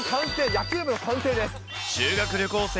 修学旅行で。